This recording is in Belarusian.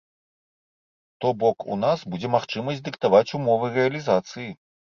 То-бок у нас будзе магчымасць дыктаваць умовы рэалізацыі.